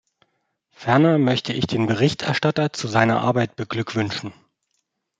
Ferner möchte ich den Berichterstatter zu seiner Arbeit beglückwünschen.